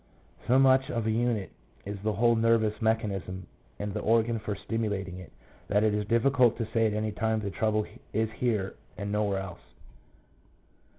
So much of a unit is the whole nervous mechanism and the organ for stimulat ing it, that it is difficult to say at any time the trouble is here and nowhere else.